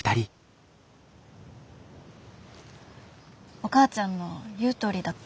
お母ちゃんの言うとおりだった。